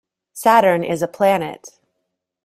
Saturn is a planet.